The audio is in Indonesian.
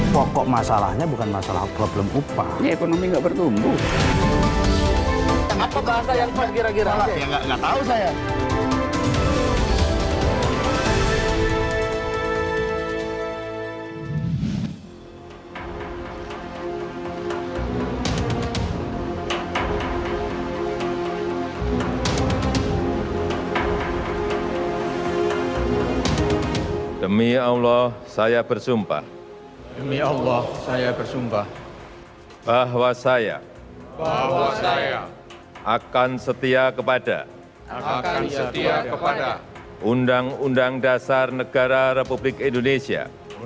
demi allah saya bersumpah bahwa saya akan setia kepada undang undang dasar negara republik indonesia